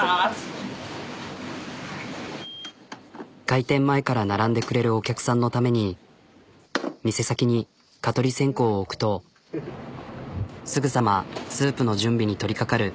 開店前から並んでくれるお客さんのために店先に蚊取り線香を置くとすぐさまスープの準備に取りかかる。